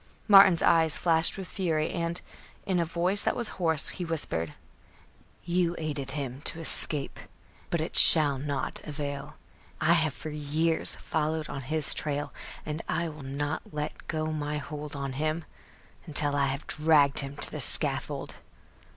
Martin's eyes flashed with fury and, in a voice that was hoarse, he whispered: "You aided him to escape; but it shall not avail. I have for years followed on his trail, and I will not let go my hold on him, until I have dragged him to the scaffold.